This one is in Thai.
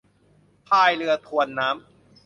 พายเรือทวนน้ำ